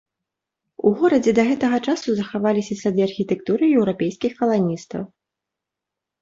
У горадзе да гэтага часу захаваліся сляды архітэктуры еўрапейскіх каланістаў.